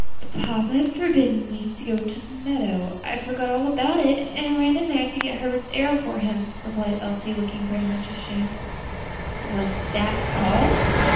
"Papa had forbidden me to go into the meadow, I forgot all about it, and ran in there to get Herbert's arrow for him," replied Elsie, looking very much ashamed. "Was _that all?